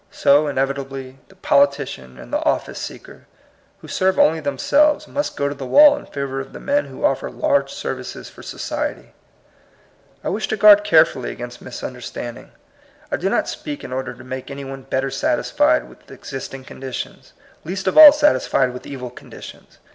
So, inevitably, the politi cian and the ofiice seeker who serve only themselves must go to the wall in favor of the men who ofiFer large services for so ciety. I wish to guard carefully against misun derstanding. I do not speak in order to make any one better satisfied with exist ing conditions, least of all satisfied with evil conditions.